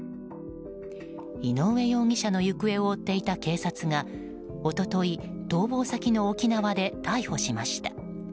井上容疑者の行方を追っていた警察が一昨日、逃亡先の沖縄で逮捕しました。